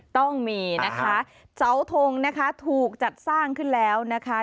ต้องมีนะคะเสาทงนะคะถูกจัดสร้างขึ้นแล้วนะคะ